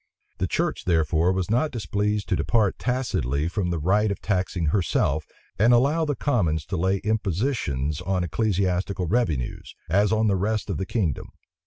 The church, therefore, was not displeased to depart tacitly from the right of taxing herself, and allow the commons to lay impositions on ecclesiastical revenues, as on the rest of the kingdom.